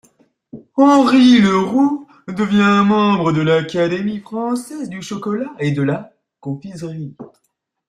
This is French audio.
Henri Le Roux devient membre de l'Académie française du chocolat et de la confiserie.